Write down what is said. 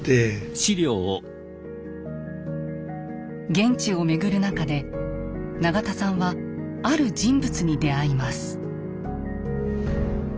現地を巡る中で永田さんはある人物に出会います。